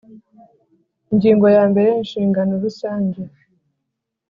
Ingingo ya mbere Inshingano rusange